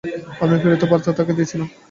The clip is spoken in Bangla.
আপনার প্রেরিত বার্তা তাঁকে দিয়েছিলাম।